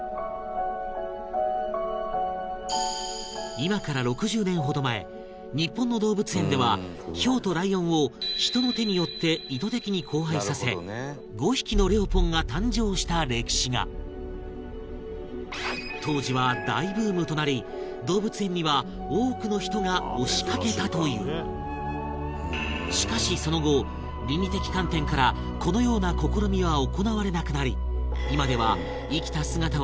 今から６０年ほど前日本の動物園ではヒョウとライオンを人の手によって意図的に交配させ５匹のレオポンが誕生した歴史が当時は大ブームとなり動物園には多くの人が押しかけたというしかし、その後倫理的観点からこのような試みは行われなくなり